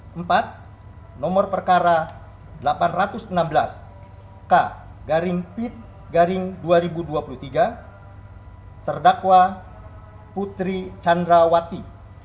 nomor empat nomor perkara delapan ratus enam belas k garing pit garing dua ribu dua puluh tiga terdakwa putri candrawati